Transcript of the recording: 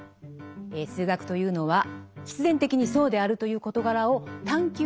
数学というのは「必然的にそうであるという事柄を探究する」